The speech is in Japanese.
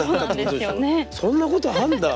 そんなことあるんだ？